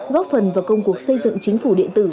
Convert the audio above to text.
góp phần vào công cuộc xây dựng chính phủ điện tử